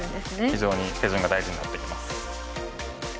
非常に手順が大事になってきます。